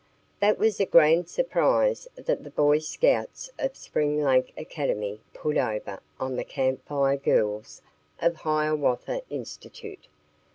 That was a grand surprise that the Boy Scouts of Spring Lake academy "put over" on the Camp Fire Girls of Hiawatha Institute.